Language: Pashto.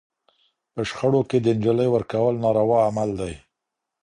په شخړو کي د نجلۍ ورکول ناروا عمل دی